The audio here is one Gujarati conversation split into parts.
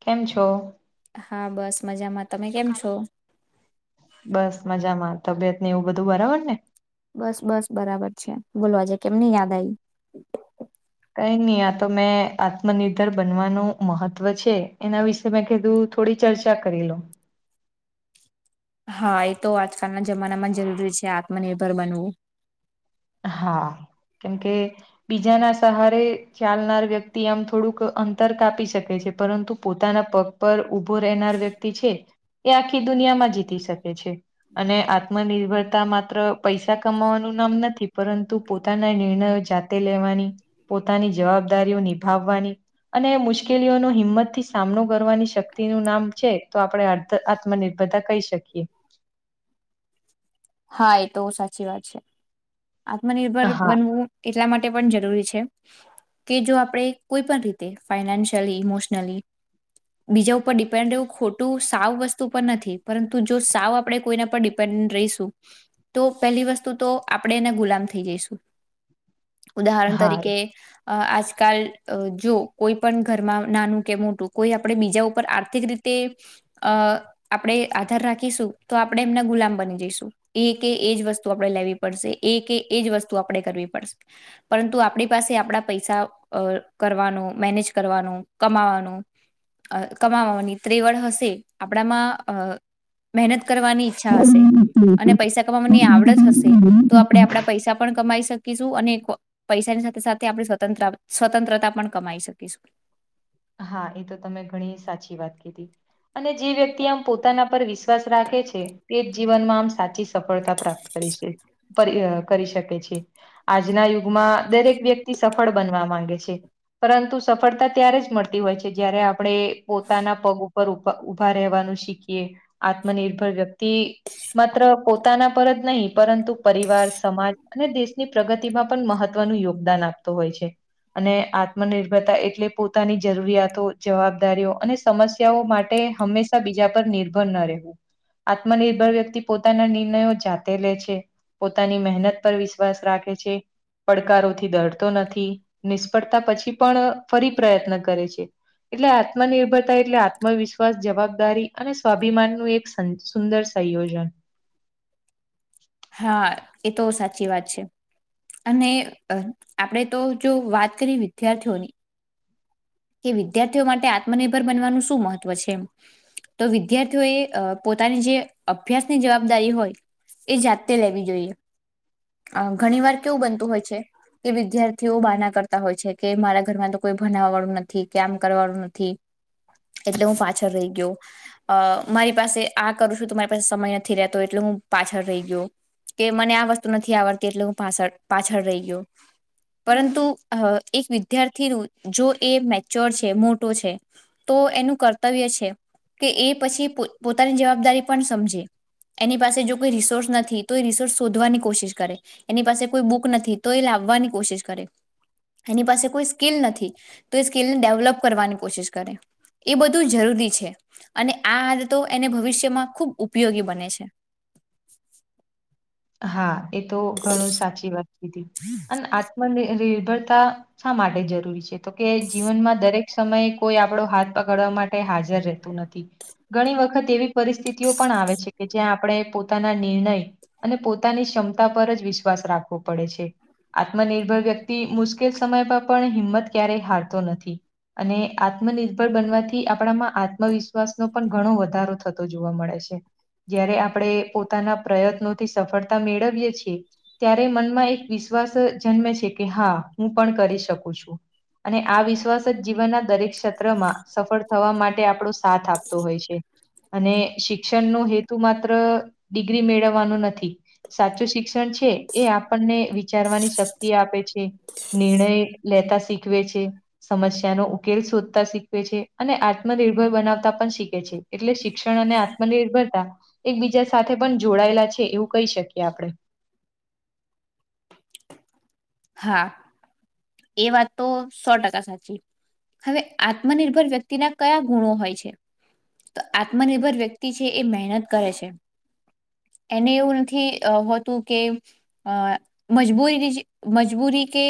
કેમ છો? હા બસ મજામાં. તમે કેમ છો? બસ મજામાં, તબિયત ને એવું બધું બરાબર ને? બસ બસ બરાબર છે. બોલવાજે કેમની યાદ આવી? કઈ ની આ તો મેં આત્મનિર્ભર બનવાનું મહત્વ છે એના વિશે... મેં કીધું થોડી ચર્ચા કરીએ હા એ તો આજકાલના જમાનામાં જરૂરી છે આત્મનિર્ભર બનવું. હા કેમ કે બીજાના સહારે ચાલનાર વ્યક્તિ આમ થોડુંક અંતર કાપી શકે છે પરંતુ પોતાના પગ પર ઉભો રહેનાર વ્યક્તિ છે એ આખી દુનિયામાં જીતી શકે છે. અને આત્મનિર્ભરતા માત્ર પૈસા કમાવાનું નામ નથી પરંતુ પોતાના નિર્ણયો જાતે લેવાની પોતાની જવાબદારીઓ નિભાવવાની અને મુશ્કેલીઓનો હિંમત થી સામનો કરવાની શક્તિનું નામ છે તો આપણે આ - આત્મનિર્ભરતા કહી શકીએ. હા ઈ તો સાચી વાત છે આત્મનિર્ભર હા બનવું એટલા માટે પણ જરૂરી છે. કે જો આપણે કોઈ પણ રીતે ફાઈનાન્શિયલી ઇમોશનલી બીજા ઉપર ડિપેન્ડ એવું ખોટું સાવ વસ્તુ પર નથી પરંતુ જો સાવ આપડે કોઈના પર ડીપે રહીશું તો પેલી વસ્તુ તો આપણે એના ગુલામ થઈ જઈશું. ઉદાહરણ હા તરીકે અ આજકાલ અ જો કોઈ પણ ઘરમાં નાનું કે મોટું કોઈ આપણે બીજા ઉપર આપણે આર્થિક રીતે તે અ આપણેે આધાર રાખીશું. તો આપણેે એમના ગુલામ બની જઈશું. એ કે એજ વસ્તુ આપણે લેવી પડશે એ કે એ જ વસ્તુ આપણે કરવી પડશે. પરંતુ આપણી પાસે આપણા પૈસા અ કરવાનું મેનેજ કરવાનું કમાવાનું અ કમાવાની ત્રેવડ હશે આપણામાં અ મહેનત કરવાની ઈચ્છા હશે. અને પૈસા કમાવાની આવડત હશે તો આપણેે આપડા પૈસા પણ કમાઈ શકીશું અને પૈસાની સાથે સાથે આપણે સ્વતંત્ર સ્વતંત્રતા પણ કમાઈ શકીશું. હા એ તો તમે ઘણી સાચી વાત કીધી. અને જે વ્યક્તિ આમ પોતાના પર વિશ્વાસ રાખે છે એજ જીવનમાં આમ સાચી સફળતા પ્રાપ્ત કરી કરી શકે છે. આજના યુગમાં દરેક વ્યક્તિ સફળ બનવા માંગે છે. પરંતુ સફળતા ત્યારે જ મળતી હોય છે. જયારે આપણે પોતાના પગ ઉપ પર ઉભા રહેવાનું શીખીએ આત્મનિર્ભર વ્યક્તિ માત્ર પોતાના પર જ નહીં પરંતુ પરિવાર સમાજ અને દેશની પ્રગતિમાં પણ મહત્વનું યોગદાન આપે હોય છે અને આત્મનિર્ભરતા એટલે પોતાની જરૂરિયાતો જવાબદારીઓ અને સમસ્યાઓ માટે હંમેશા બીજા પર નિર્ભર ન રહેવું. આત્મનિર્ભર વ્યક્તિ પોતાના નિર્ણયો જાતે લે છે. પોતાની મહેનત પર વિશ્વાસ રાખે છે. પડકારોથી ડરતો નથી નિષ્ફળતા પછી પણ ફરી પ્રયત્ન કરે છે. એટલે આત્મનિર્ભરતા એટલે આત્મવિશ્વાસ જવાબદારી અને સ્વાભિમાનનું એક સુંદર સંયોજન હા એતો સાચી વાત છે. અને અ આપણેે તો જો વાત કરી વિદ્યાર્થીઓની કે વિદ્યાર્થીઓ માટે આત્મનિર્ભર બનવાનું શું મહત્વ છે? તો વિદ્યાર્થીઓએ અ પોતાની જે અભ્યાસની જવાબદારી હોય એ જાતે લેવી જોઈએ. અ ઘણી વાર કેવું બનતું હોય છે કે વિદ્યાર્થીઓ બાના કરતા હોય છે કે મારા ઘર માં તો કોઈ ભનાવાવાળું ન થી કે આમ કરવાનું નથી એટલે હું પાછળ રહી ગયો અ મારી પાસે આ કરું છું તો મારી પાસે સમય નથી રહેતો એટલે હું પાછળ રહી ગયો. કે મને આ વસ્તુ નથી આવડતી એટલે હું પાછળ પાછળ રહી ગયો. પરંતુ એક વિદ્યાર્થીનું જો એ મેચ્યોર છે મોટો છે, તો એનું કર્તવ્ય છે કે એ પછી પોતાની જવાબદારી પણ સમજે એની પાસે જો કોઈ રિસોર્સ નથી તો એ રિસોર્સ શોધવાની કોશિશ કરે. એની પાસે કોઈ બુક નથી તો એ લાવવાની કોશિશ કરે. એની પાસે કોઈ સ્કીલ નથી તો એ સ્કીલને ડેવલપ કરવાની કોશિશ કરે, એ બધું જરૂરી છે અને આ આદતો એને ભવિષ્યમાં ખૂબ ઉપયોગી બને છે. હા એ તો ઘણું સાચી વાત કીધી. [unintelligible] આત્મનિર્ભરતા શા માટે જરૂરી છે? તો કે જીવનમાં દરેક સમયે કોઈ આપડો હાથ પકડવા માટે હાજર રહે તુ નથી. ઘણી વખત એવી પરિસ્થિતિઓ પણ આવે છે કે જ્યાં આપણે પોતાના નિર્ણય અને પોતાની ક્ષમતા પર વિશ્વાસ પડે છે. આત્મનિર્ભર વ્યક્તિ મુશ્કેલ સમય પર પણ હિંમત ક્યારેય હારતો નથી અને આત્મનિર્ભર બનવાથી આપણામાં આત્મવિશ્વાસનો પણ ઘણો વધારો થતો જોવા મળે છે. જયારે આપણે પોતાના પ્રયત્નોથી સફળતા મેળવીએ છીએ ત્યારે મનમાં એક વિશ્વાસ જન્મે છે કે હા હું પણ કરી શકું છું. અને આ વિશ્વાસ જ જીવનના દરેક ક્ષેત્રમાં સફળ થવા માટે આપણો સાથ આપતો હોય છે. અને શિક્ષણ નો હેતુ માત્ર ડિગ્રી મેળવવાનો ન થી સાચું શિક્ષણ છે એ આપણને વિચારવાની શક્તિ આપે છે, નિર્ણય લેતા શીખવે છે, સમસ્યાનો ઉકેલ શોધતા શીખવે છે અને આત્મનિર્ભર બનાવતા પણ શીખે છે. એટલે શિક્ષણ અને આત્મનિર્ભરતા એકબીજા સાથે પણ જોડાયેલા છે એવું કહી શકીએ આપણે. હા, એ વાત તો સો ટકા સાચી. હવે આત્મનિર્ભર વ્યક્તિના કયા ગુણો હોય છે? તો આત્મનિર્ભર વ્યક્તિ છે એ મહેનત કરે છે, એને એવું નથી હોતું કે મજબૂરીની જે મજબૂરી કે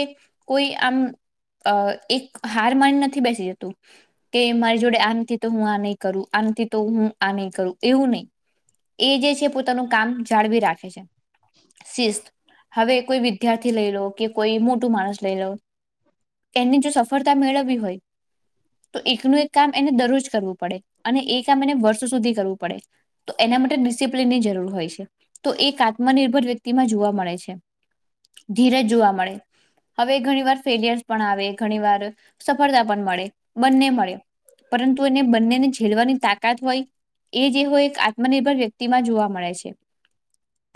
કોઈ આમ અ એક હાર માની નથી બેસી રહેતું, કે મારી જોડે આ નથી તો હું આ નહી કરું આ નથી તો હું આ નહી કરું એવું નહીં એ જે છે પોતાનું કામ જાળવી રાખે છે. શિસ્ત, હવે કોઈ વિદ્યા થી લઈ લો કે કોઈ મોટું માણસ લઈ લો એને જો સફળતા મેળવવી હોય, તો એકનું એક કામ એને દરરોજ કરવું પડે અને એ કામ એને વર્ષ સુધી કરવું પડે. તો એના માટે ડિસિપ્લિનની જરૂર હોય છે તો એક આત્મનિર્ભર વ્યક્તિમાં જોવા મળે છે. ધીરજ જોવા મળે હવે ઘણી વાર ફેલિયર્સ પણ આવે ઘણી વાર સફળતા પણ મળે બંને મળે પરંતુ એને બંનેને ઝેલવાની તાકાત હોય એ જે હોય એક આત્મનિર્ભર વ્યક્તિમાં જોવા મળે છે.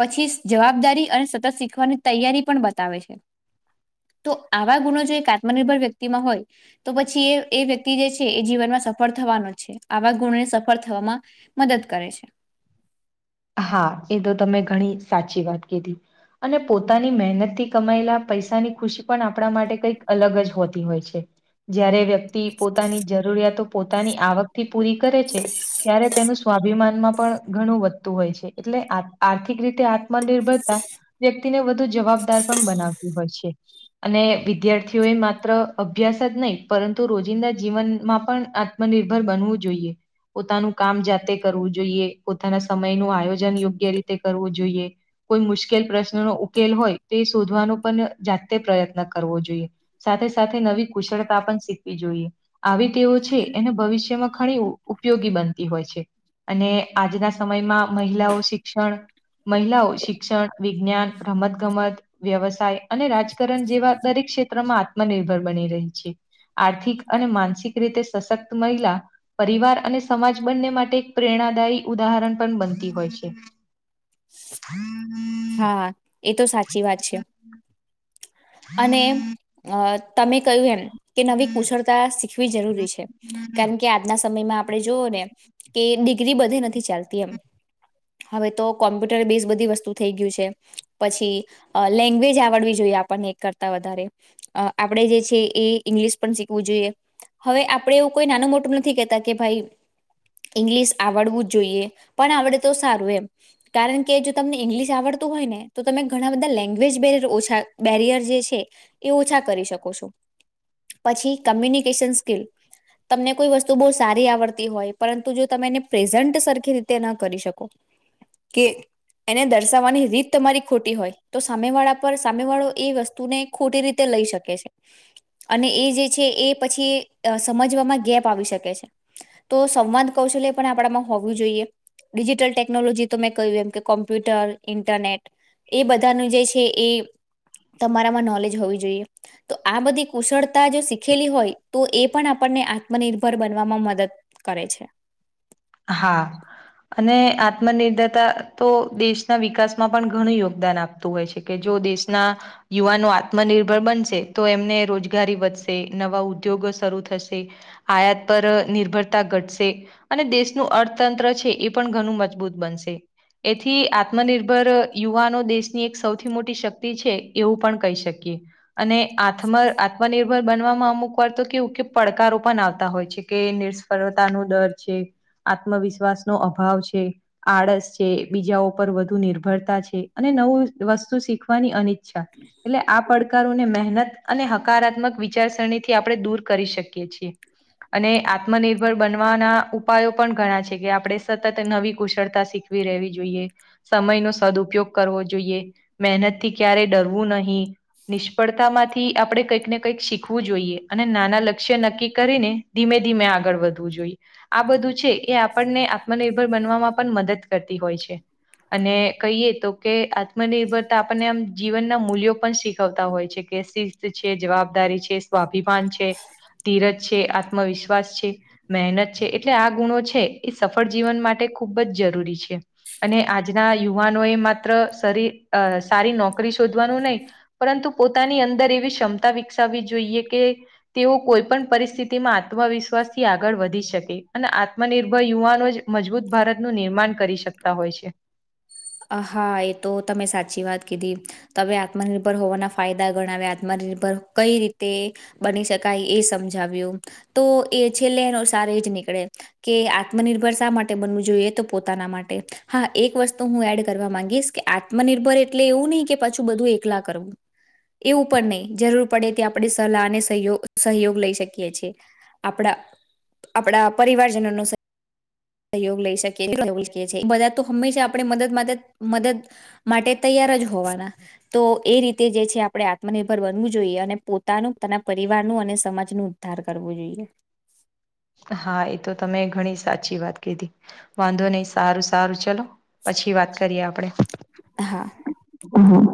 પછી જવાબદારી અને સતત શીખવાની તૈયારી પણ બતાવે છે. તો આવા ગુણો જો એક આત્મનિર્ભર વ્યક્તિમાં હોય તો પછી એ એ વ્યક્તિ જે છે એ જીવનમાં સફળ થવાનો જ છે આવા ગુણો સફળ થવામાં મદદ કરે છે. હા એ તો તમે ઘણી સાચી વાત કીધી અને પોતાની મહેનતથી કમાયેલા પૈસાની ખુશી પણ આપણા માટે કંઈક અલગ જ હોતી હોય છે. જયારે વ્યક્તિ પોતાની જરૂરિયાતો પોતાની આવકથી પૂરી કરે છે. ત્યારે તેનું સ્વાભિમાનમાં પણ ઘણું વ વધતુ હોય છે એટલે આર્થીક રીતે આત્મનિર્ભરતા વ્યક્તિને વધુ જવાબદાર પણ બનાવતી હોય છે. અને વિદ્યાર્થીઓ એ માત્ર અભ્યાસ જ નઈ પરંતુ રોજિંદા જીવનમાં પણ આ આત્મનર્ભર બનવું જોઈએ પોતાનું કામ જાતે કરવું જોઈએ પોતાના સમયનું આયોજન યોગ્ય રીતે કરવું જોઈએ કોઈ મુશ્કેલ પ્રશ્નનો ઉકેલ હોય તો એ શોધવાનો પણ જાતે પ્રયત્ન કરવો જોઈએ સાથે સાથે નવી કુશળતા પણ શીખવી જોઈએ આવી ટેવો છે એને ભવિષ્યમાં ઘણી ઉપયોગી બનતી હોય છે અને આજના સમયમાં મહિલાઓ શિક્ષણ મહિલાઓ શિક્ષણ વિજ્ઞાન રમત ગમત વ્યવસાય અને રાજકારણ જેવા દરેક ક્ષેત્રમાં આત્મનિર્ભર બની રહી છે. આર્થિક અને માનસિક રીતે સશક્ત મહિલા પરિવાર અને સમાજ બંને માટે એક પ્રેરણાદાયી ઉદાહરણ પણ બનતી હોય છે. [inaudible] હા એ તો સાચી વાત છે અને એમ તમે કહ્યું એમ કે નવી કુશળતા શીખવી જરૂરી છે કા કે આજના સમયમાં આપણે જોઓ ને કે ડિગ્રી બધે નથી ચાલતી એમ હવે તો કોમ્પ્યુટર બેઝ બધી વસ્તુ થઈ ગયું પછી લેંગ્વેજ આવડવી જોઈએ આપણને એકકરતા વધારે અ આપણેે જે છે એ ઇંગ્લિશ પણ શીખવું જોઈએ હવે આપડે એવું કોઈ નાનું મોટું નથી કેતા કે ભાઈ ઈંગ્લિશ આવડવું જ જોઈએ પણ આવડે તો સારું એમ કારણ કે જો તમને ઇંગ્લિશ આવડતું હોય ને તો તમે ઘણા બધા લેંગ્વેજર ઓછા બેરિયર જે છે. એ ઓછા કરી શકો છો પછી કમ્યુનિકેશન સ્કીલ તમને કોઈ વસ્તુ બહુ સારી આવડતી હોય પરંતુ જો તમે એને પ્રેઝન્ટ સરખી રીતે ન કરી શકો કે એને દ દરસાવવાની રીત તમારી ખોટી હોય તો સામે વાળા પર સામે વાળો એ વસ્તુને ખોટી રીતે લઈ શકે છે. અને એ જે છે એ પછી સમજવામાં ગેપ આવી શકે છે. તો સંવાદ કૌશલ્ય પણ આપણામાં હોવુ જોઇએ ડિજિટલ ટેકનોલોજી તો મેં કહ્યું એમ કે કોમ્પ્યુટર ઇન્ટરનેટ એ બધાનું જે છે એ તમારામાં નોલેજ હોવી જોઈએ તો આ બધી કુશળતા જો શીખેલી હોય તો એ પણ આપણને આત્મનિર્ભર બનવામાં મદદ કરે છે હા. અને આત્મનિર્ભરતા તો દેશના વિકાસમાં પણ ઘણું યોગદાન આપે તો હોય છે કે જો દેશના યુવાનો આત્મનિર્ભર બનશે તો એમને રોજગારી વધશે નવા ઉદ્યોગો શરૂ થશે આયાત પર નિર્ભરતા ઘટશે અને દેશ નું અર્થતંત્ર છે એ પણ ઘણું મજબૂત બનશે એથી આત્મનિર્ભર યુવાનો દેશની એક સૌથી મોટી શક્તિ છે એવું પણ કહી શકીએ અને આત્મ આત્મનિર્ભર બનવામાં અમુક વાર તો કેવું કે પડકારો પણ આવતા હોય છે કે નિષ્ફળતા નો ડર છે આત્મવિશ્વાસ નો અભાવ છે આળસ છે બીજા ઉપર વધુ નિર્ભરતા છે અને નવું વસ્તુ શીખવાની અનિચ્છા એટલે આ પડકારોને મહેનત અને હકારાત્મક વિચારસરણીથી આપણે દૂર કરી શકીએ છીએ અને આત્મનિર્ભર બનવાના ઉપાયો પણ ઘણા છે કે આપણે સતત નવી કુશળતા શીખવી રહેવી જોઈએ સમય નો સદઉપયોગ કરવો જોઈએ મહેનતથી ક્યારેય ડરવું નહી નિષ્ફળતામાંથી આપણે કંઈક ને કંઈક શીખવું જોઈએ અને નાના લક્ષ્ય નક્કી કરીને ધીમે ધીમે આગળ વધવું જોઈએ આ બધું છે એ આપણને આત્મનિર્ભર બનવામાં પણ મદદ કરતી હોય છે. અને કહીએ તો કે આત્મનિર્ભરતા આપણને આમ જીવનના મૂલ્યો પણ શીખવતા હોય છે કે શિસ્ત છે, જવાબદારી છે, સ્વાભિમાન છે, ધીરજ છે, આત્મવિશ્વાસ છે, મહેનત છે, એટલે આ ગુણો છે એ સફળ માટે ખૂબ જ જરૂરી છે. અને આજના યુવાનો એ માત્ર સરી સારી નોકરી શોધવાનું નહી પરંતુ પોતાની અંદર એવી ક્ષમતા વિકસાવવી જોઈએ કે તેઓ કોઈ પણ પરિસ્થિતિમાં આત્મવિશ્વાસથી આગળ વધી શકે. અને આત્મનિર્ભર યુવાનો જ મજબૂત ભારતનું નિર્માણ કરી શકે હા એ તો તમે સાચી વાત કીધી. તમે આત્મનિર્ભર હોવાના ફાયદા ગણાવ્યા આત્મનિર્ભર કઈ રીતે બની શકાય એ સમજાવ્યું તો એ છેલ્લે એનો સાર એજ નીકળે કે આત્મનિર્ભર શા માટે બનવું જોઈએ? તો પોતાના માટે હા એક વસ્તુ હું એડ કરવા માંગીશ કે આત્મનિર્ભર એટલે એવું નહી કે પાછું બધું એકલા કરવું એવું પણ નહી જરૂર પડે ત્યાં આપણે સલાહ અને સહગ સહયોગ લઈ શકીએ છએ. આપણા આપણા પરિવારજનો નો સહયોગ લઈ શકીએ બધા તો હંમેશા આપણે મદદ મદદ મદદ માટે તૈયાર જ હોવાના. તો એ રીતે જે છે આપણે આત્મનિર્ભર બનવું જોઈએ અને પોતાનું પોતાના પરિવારનું અને સમાજનું ઉદ્ધાર કરવો જોઈએ. હા એ તો તમે ઘણી સાચી વાત કીધી. વાંધો નહી સારું સારું ચલો. પછી વાત કરીએ આપડે. હા હમ